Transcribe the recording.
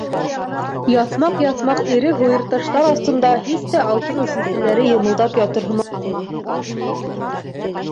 Яҫмаҡ-яҫмаҡ эре һуйырташтар аҫтында һис тә алтын үҫентеләре йымылдап ятыр һымаҡҡа оҡшамай ине.